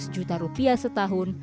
lima belas juta rupiah setahun